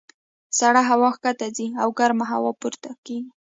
سړه هوا ښکته ځي او ګرمه هوا پورته کېږي.